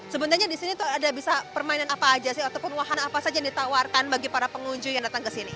sebenarnya di sini tuh ada bisa permainan apa aja sih ataupun wahana apa saja yang ditawarkan bagi para pengunjung yang datang ke sini